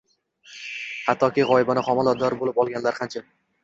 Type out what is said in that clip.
Hattoki g’oyibona xomilador bo’lib olganlar qancha.